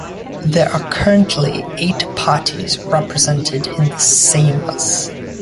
There are currently eight parties represented in the Seimas.